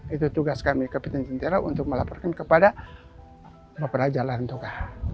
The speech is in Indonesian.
itu tugas kami kapitan jenderal untuk melaporkan kepada raja larang tuka